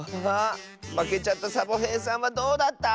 まけちゃったサボへいさんはどうだった？